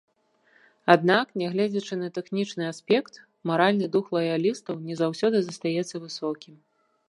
Аднак нягледзячы на тэхнічны аспект, маральны дух лаялістаў не заўсёды застаецца высокім.